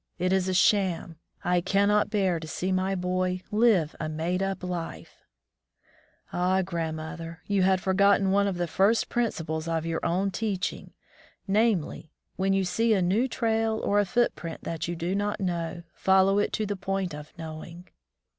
^' It is a sham. I cannot bear to see my boy live a made up life !" Ah, grandmother! you had forgotten one of the first principles of your own teaching, namely: "When you see a new trail, or a footprint that you do not know, follow it to the point of knowing."